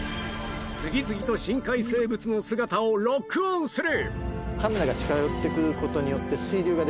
次々と深海生物の姿をロックオンする！